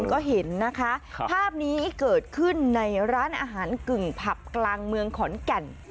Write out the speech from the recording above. ก็เห็นนะคะภาพนี้เกิดขึ้นในร้านอาหารกึ่งผับกลางเมืองขอนแก่น